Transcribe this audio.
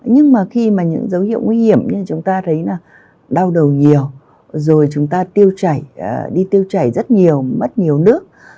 nhưng mà khi mà những dấu hiệu nguy hiểm như chúng ta thấy là đau đầu nhiều rồi chúng ta tiêu chảy đi tiêu chảy rất nhiều mất nhiều nước